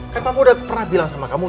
kan kamu udah pernah bilang sama kamu